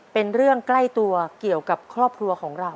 เป็นเรื่องใกล้ตัวเกี่ยวกับครอบครัวของเรา